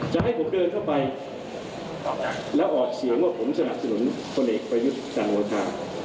จะให้ผมเดินเข้าไปแล้วออกเสียงว่าผมสนับสนุนคนเอกประยุทธ์จันโอชา